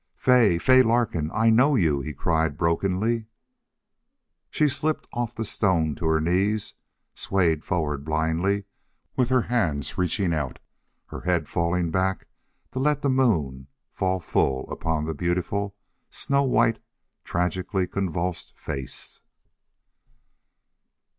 "Fay! FAY LARKIN!... I KNOW YOU!" he cried, brokenly. She slipped off the stone to her knees, swayed forward blindly with her hands reaching out, her head falling back to let the moon fall full upon the beautiful, snow white, tragically convulsed face.